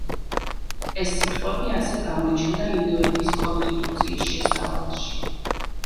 ეს სიტყვები ასევე გამოჩნდა ინდოეთის კონსტიტუციის შესავალში.